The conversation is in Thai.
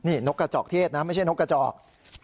นี่นกกระจอกเทศนะไม่ใช่นกกระจอก